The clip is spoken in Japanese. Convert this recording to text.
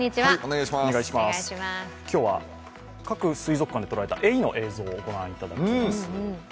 今日は各水族館で捉えたエイの映像をご覧いただきます。